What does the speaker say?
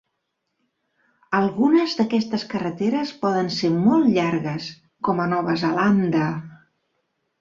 Algunes d'aquestes carreteres poden ser molt llargues, com a Nova Zelanda.